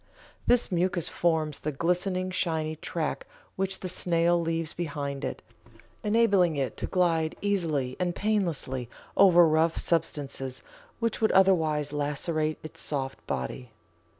This mucus forms the glistening, shiny track which the snail leaves behind it, enabling it to glide easily and painlessly over rough substances which would otherwise lacerate its soft body.